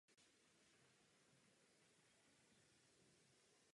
Ovládání je řešeno pomocí stlačeného vzduchu.